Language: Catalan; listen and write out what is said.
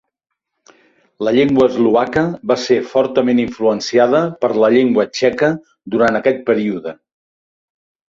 La llengua eslovaca va ser fortament influenciada per la llengua txeca durant aquest període.